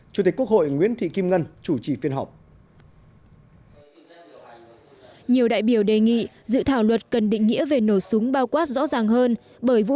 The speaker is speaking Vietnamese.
chủ tịch quốc hội nguyễn thị kim ngân chủ trì phiên họp